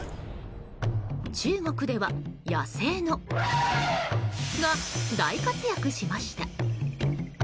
中国では野生の○○が大活躍しました。